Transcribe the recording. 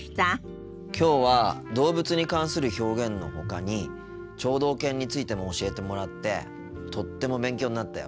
きょうは動物に関する表現のほかに聴導犬についても教えてもらってとっても勉強になったよ。